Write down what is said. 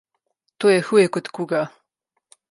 To je huje kot kuga.